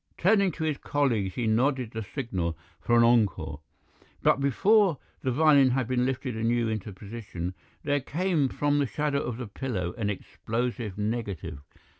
Turning to his colleagues he nodded the signal for an encore. But before the violin had been lifted anew into position there came from the shadow of the pillar an explosive negative.